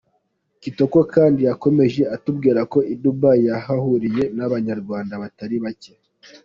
Kitoko kandi yakomeje atubwira ko i Dubai yahahuriye n’abanyarwanda batari bacye.